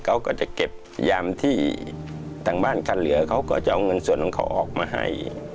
เขาก็จะเก็บยามที่ทางบ้านคันเหลือเขาก็จะเอาเงินส่วนของเขาออกมาให้